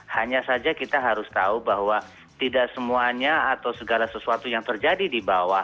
hanya saja kita harus tahu bahwa tidak semuanya atau segala sesuatu yang terjadi di bawah